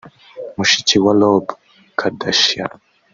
mushiki wa Rob Kardashian